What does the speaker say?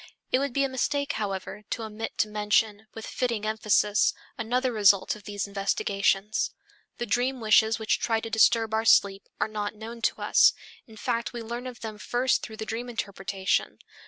It would be a mistake, however, to omit to mention, with fitting emphasis, another result of these investigations. The dream wishes which try to disturb our sleep are not known to us, in fact we learn of them first through the dream interpretation.